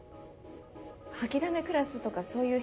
「掃きだめクラス」とかそういう変な噂は。